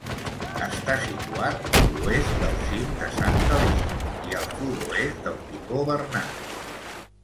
Està situat a l'oest del cim de Sant Alís, i al sud-oest del Picó Bernat.